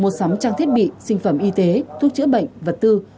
mua sắm trang thiết bị sinh phẩm y tế thuốc chữa bệnh vật tư